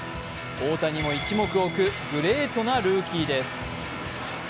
大谷も一目置くグレートなルーキーです。